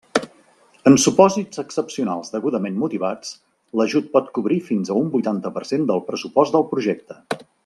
En supòsits excepcionals degudament motivats, l'ajut pot cobrir fins a un vuitanta per cent del pressupost del projecte.